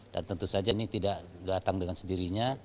dan tentu saja ini tidak datang dengan sendirinya